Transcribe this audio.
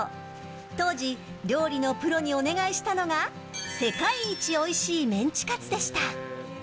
当時料理のプロにお願いしたのが世界一おいしいメンチカツでした。